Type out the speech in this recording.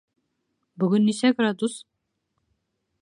Бөгөн нисә градус?